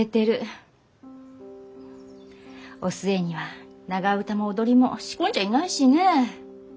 お寿恵には長唄も踊りも仕込んじゃいないしね。